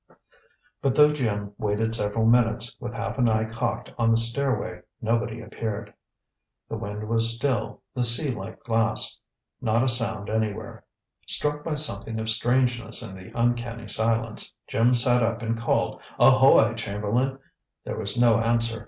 But though Jim waited several minutes, with half an eye cocked on the stairway, nobody appeared. The wind was still, the sea like glass; not a sound anywhere. Struck by something of strangeness in the uncanny silence, Jim sat up and called "Ahoy, Chamberlain!" There was no answer.